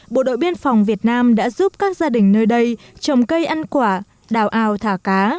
bộ đội biên phòng việt nam đã giúp các gia đình nơi đây trồng cây ăn quả đào ao thả cá